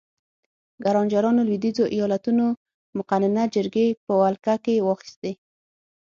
ګرانجرانو لوېدیځو ایالتونو مقننه جرګې په ولکه کې واخیستې.